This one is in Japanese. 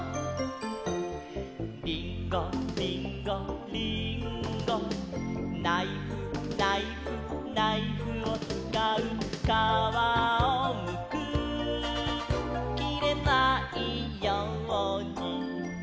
「りんごりんごりんご」「ナイフナイフナイフをつかう」「かわをむくきれないように」